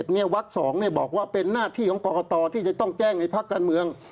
วัก๒บอกว่าเป็นหน้าที่ของกรกตที่จะต้องแจ้งให้พักการเมือง